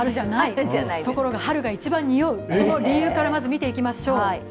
ところが春が一番におう、その理由から見ていきましょう。